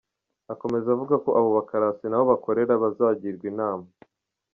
Akomeza avuga ko abobakarasi n’abo bakorera bazagirwa inama.